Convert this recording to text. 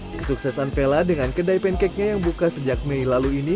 kesuksesan vela dengan kedai pancake nya yang buka sejak mei lalu ini